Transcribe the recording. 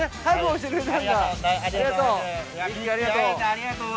ありがとう。